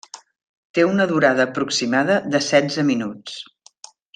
Té una durada aproximada de setze minuts.